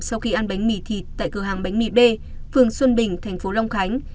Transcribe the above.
sau khi ăn bánh mì thịt tại cửa hàng bánh mì b phường xuân bình tp long khánh